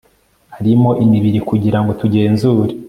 arimo imibiri kugira ngo tugenzure